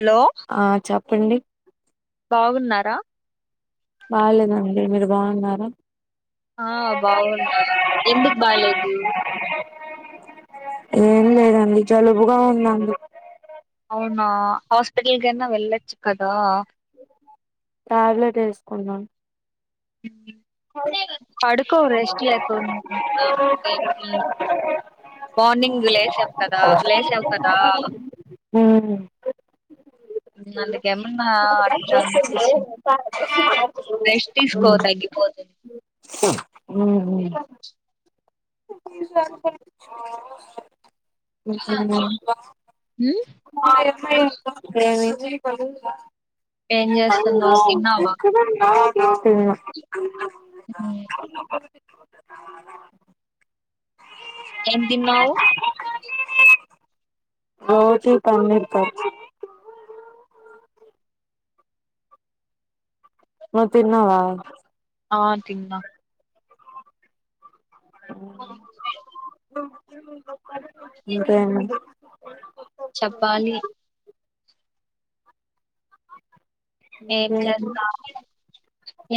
Hello ఆ చెప్పండి బాగున్నారా బాగాలేదండి మీరు బాగున్నారా ఆ బాగున్నా ఎందుకు బాలేేదు ఏం లేదండి జలుబుగా ఉందండి అవునా హాస్పిటల్ గనా వెళ్ళొచ్చు కదా టాబ్లెట్ వేసుకున్న హ పడుకో రెస్ట్ లేకుండా ఉంటే మార్నింగ్ లేసాం కదా లేసాము కదా అందుకేమన్నా అట్లా అనిపిస్తుంది [unintelligible] రెస్ట్ తీసుకో తగ్గిపోతుంది ఉమ్ ఉం ఉమ్, [unintelligible] ఏం చేస్తున్నావు తిన్నావా ఉమ్ అ ఏం తిన్నవు ఆ చూద్దాం ఆ తిన్నవా ఆ తిన్న ఇంకా ఏంటి చెప్పాలి ఏం ఇంకేమి చేస్తా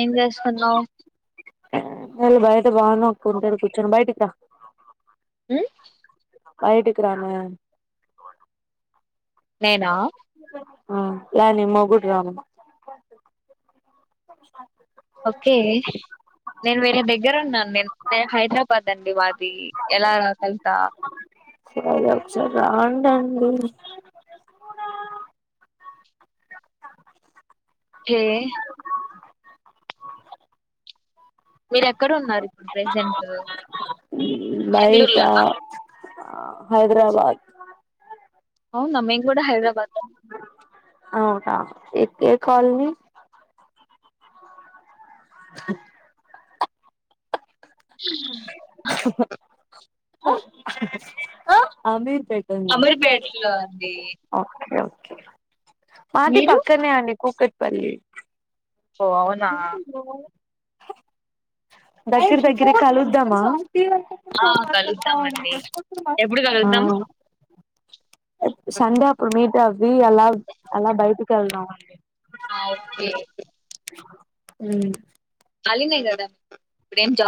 ఏం చేస్తున్నావు అళ బయట బాగున్నా కొంతరు కూర్చోం బయటికా బయటికి రానా నేనా ఏ ని మొగుడు రా ఓకే నేను వేరే దగ్గర ఉన్నాను నేను హైదరాబాద్ అండి మాది ఎలా కలుతా సరే ఒకసారి రాండండి ఒకే మీరు ఎక్కడ ఉన్నారు ఇప్పుడు ప్రెసెంటు బయటా అ హైదరాబాద్ అవునా మేం గూడా హైదరాబాదే అవునా ఎ ఏ కాలనీ అమీర్పేట్ అమీర్పేటలో అండి మాది మీరు పక్కనే అండి కూకట్ పల్లి హో అవునా దగ్గరి దగ్గరే కలుద్దామా ఆ కలుద్దామండి ఎప్పుడు ఆ కలుద్దాం సండే అప్పుడు మీట్ అవ్వి అలా అలా బయటకి ఎళ్దాం ఆ ఓకే ఊ కాలినే గదా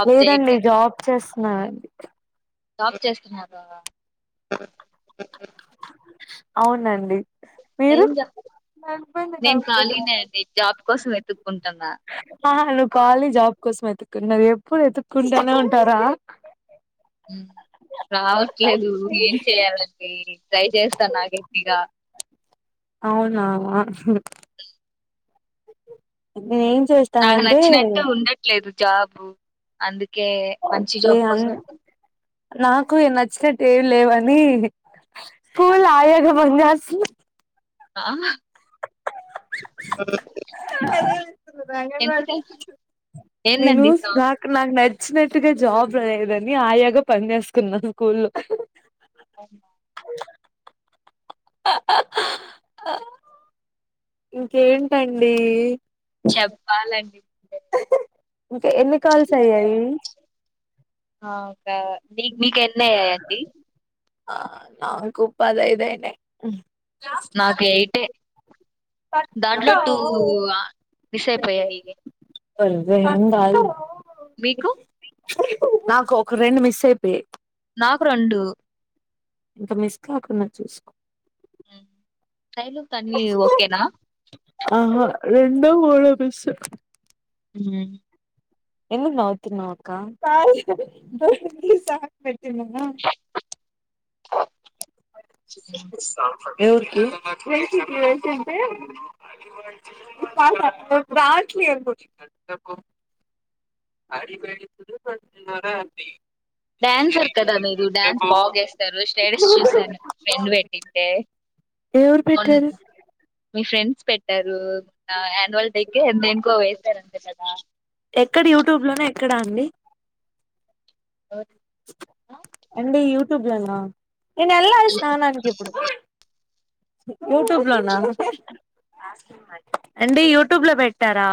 లేదండి జాబ్ చేస్తున్నా జాబ్ చేస్తున్నావా అవునండి మీరు ఏం జాబ్ నా హస్బెండ్ ని నేను ఖాళీనే కనుక్కున్నా అండి జాబ్ కోసం వెతుక్కుంటున్నా ఆ నువ్వు కాలి జాబ్ కోసం ఎతుక్కున్నది ఎప్పుడు ఎతుక్కుంటానే ఉంటారా ఊ రావట్లేదు ఏం చేయాలండీ ట్రై చేస్త్ స్తన్నా గట్టిగా అవునా నేనేం నాకు చేస్తానంటే నచ్చినట్టు ఉండట్లేదు జాబు అందుకే మంచి జాబ్ కోసం నాకూ నచ్చినట్టు ఏవ్ లేవని స్కూల్ల ఆయాగ పని చేస్సున్న ఆ హ [unintelligible] అంగన్వాడి ఎందుక ఏందండి నేనూస్ సౌండ్ నాక్ నాక్ న వచ్చినట్టుగా జాబ్ లేదని ఆయాగా పని చేేసుకున్నా స్కూల్లో ఇంకేంటండి చెప్పాలండి [inaudible] రే ఇంక ఎన్ని కాల్స్ అయ్యాయి నాకా మీక్ మీక్ ఎన్నయ్యాయండి ఆ నాకు పాదైదు అయినయ్ నాకు ఎయిటే దాంట్లో టూ ఆ మిస్ అయిపోయాయ్ [unintelligible] మీకు నాకు ఒక రెండు మిస్ అయిపోయయ్ నాకు రెండు ఇంక మిస్ కాకున్న చూస్కో శైలుకు అన్ని ఓకేనా ఆహ రెండో మూడో మిస్స్ ఉమ్. ఎందుకు నవుతున్నావ్ అక్కా చెల్లమ్మ [unintelligible] రావట్లేదు అడి బేడి చన్నారా అది డ్యాన్సర్ కదా మీరు డ్యాన్స్ బాగేస్తారు స్టేటస్ చూసాను ఫ్రెండ్ పెట్టింటే. ఎవరు మొన్ పెట్టారు. మీ ఫ్రెండ్స్ పెట్. టరు యాన్యువల్ డేకి దేనికో ఇంకో వేేశారు అంతే కదా. ఇక్కడ అండి. అ. అండి యూట్యూబ్ లోనా. యూట్యూబ్ లోనా. అండి యూట్యూబ్ లో పెట్టారా.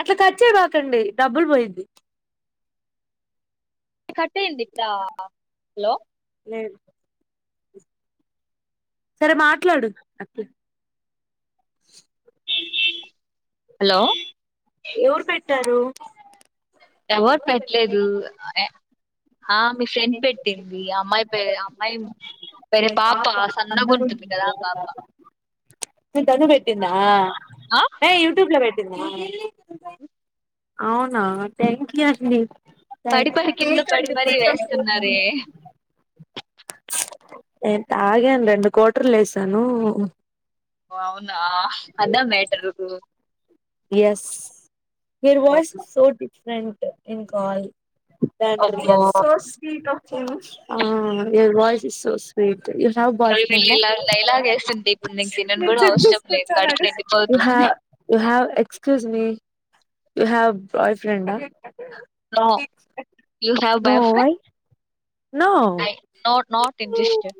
అట్లా ఖచే బకండి డబ్బులు పోయింది. కట్టేయంది ఇక్కడ హలో. లేదు. సరే మాట్లాడు. హలో. హలో. ఎవరు పెట్టలేదు. ఆ మీ ఫ్రెండ్ పెట్టింది అమ్మాయి పేరు ఏదో అమ్మాయి. వేరే పాప సన్నగా ఉంటది కదా పాప. తను పెట్టిందా ఆ ఎ యూట్యూబ్ లో పెట్టి. అవునా థ్యాంక్ యూ అండి. థ్యాంక్స్ పడిపడి కింద పడి మరీ వేస్తున్నారే. నేను తాగాను రెండు కోటర్లు వేసాను. ఓ అవునా అదా matter. Yes her voice so different in call. ఆ అబ్బో your voice is so sweet. You have boy అసలు వీళ్ళు ఫ్రెండ్ ఇలా లైలాగ వేస్తుంటే ఇప్పుడు నీకు తినను కూడా అవసరం లేదు కడుపు ఆ. నిండిపోతుంది you have excuse me you have boy friend ఆ. No you have no why boyfriend. No I not not interested.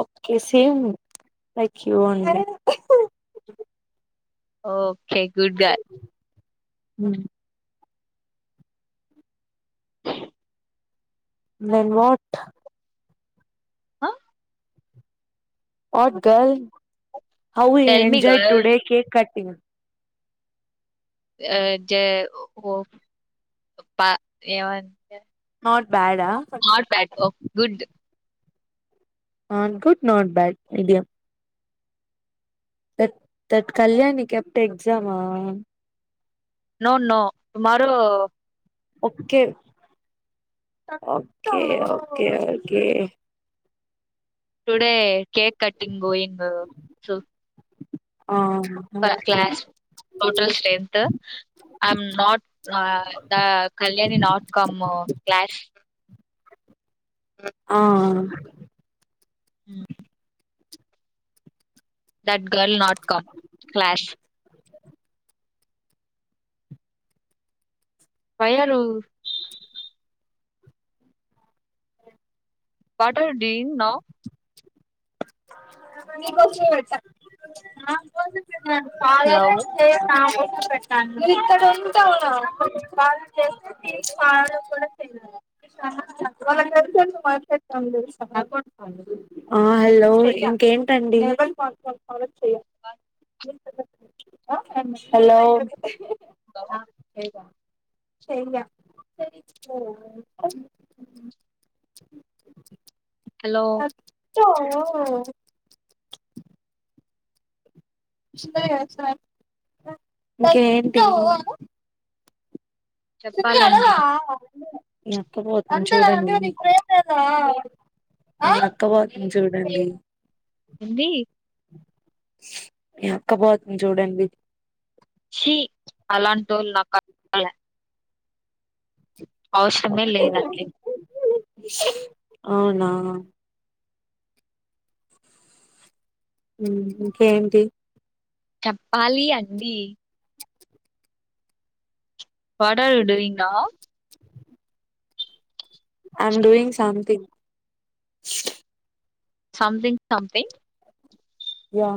Okay same like you only. Okay good girl. హ దెన్ వాట్. ఆ. What girl how you tell me enjoy girl today cake cutting. అ జ హ్ పా A one. Not బ్యాడా all bad work good. Not good not bad medium. త తత్ Kalyani kept exam ఆ. No no tomorrow. Okay. Okay okay okay. Today cake cutting going. ఆ super congratulation. Class total strength. I'm not the Kalyani not come class. ఆ ఆ uh that girl not come class వయ్యారు what are you doing now [unintelligible] [unintelligible] hello ఇక్కడుంటావు [unintelligible] కూడా తినాలి ఆ hello ఇంకేంటండి hello చెయ్య [inaudible] hello to ఇంకేంటి చెప్పాలండి ఈ అత్త పోర్ చూడండి అక్క పోతుంది చూడండి ఏందీ మీ అక్క పోతుంది చూడండి ఛీ అలాంటోళ్ళు నాకక్కర్లా అవసరమే లేదండి అవునా ఉమ్ ఇంకేంటి చెప్పాలి అండి what are you doing now I am doing something something something yeah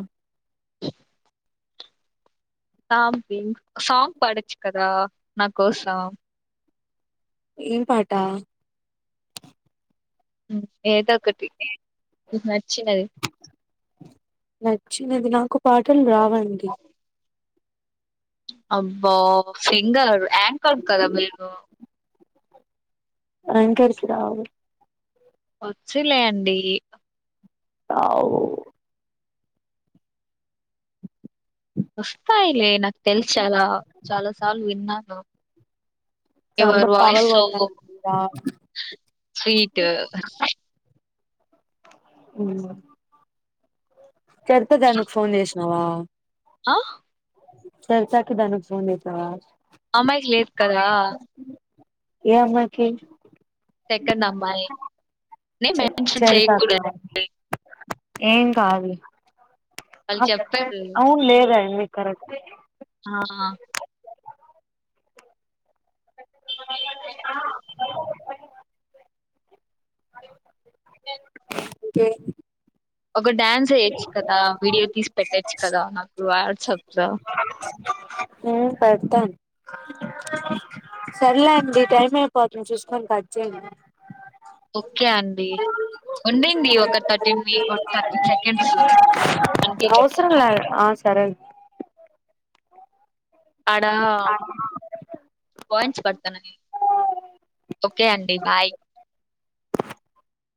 సాం పింగ్ సాంగ్ పాడోచ్చు కదా నా కోసం ఏం పాట ఏదో ఒకటి నచ్చినది నచ్చినది నాకు పాటలు రావండి అబ్బా సింగర్ యాంకర్ కదా మీరు యాంకర్స్ కి రావు వచ్చులే అండి రావు వస్తాయిలే నాకు తెలుసు చాలా చాలా సార్లు విన్నాను చెంప యువర్ వాయిస్ సో పగలుకొడతాను రావు స్వీట్ చరిత దానికి ఫోన్ చేసినావా ఆహ్ చరితకి దానూక్ ఫోన్ చేసావా అమ్మాయికి లేదు కదా ఏ అమ్మాయికి సెకండ్ అమ్మాయి నేను చరి మెన్షన్ చరితాకా చేయకూడదు ఏం కాదులే వాళ్ళు ఆమె చెప్పారు చెప్తదిలే అవును లేదండి కరెక్ట్టే ఆ ఓకే ఒక డడాన్స్ అయొచ్చు కదా వీడియో తీసి పెట్టచ్చు కదా నాకు వాట్సాప్ లో ఉమ్మ్ పెడతాను సర్లేండి టైం అయిపోతుంది చూసుకొని ఖట్ చేయండి ఓకే అండి ఉండండి ఒక థర్టీన్ మి థర్టీన్ సెకండ్స్ ఓకే అవసరం లే ఆ సరే ఆడ అవునా అండి పాయింట్స్ పడుతున్నాయి ఓకే అండి బాయ్